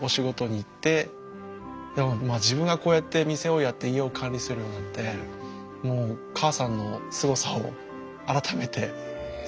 自分がこうやって店をやって家を管理するようになってもう母さんのすごさを改めて実感しました。